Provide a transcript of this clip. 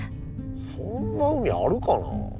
そんな海あるかな。